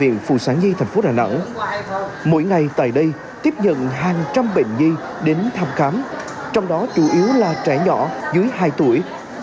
mỗi ngày tại đây tiếp nhận hàng trăm bệnh nhi đến thăm khám trong đó chủ yếu là trẻ nhỏ dưới hai tuổi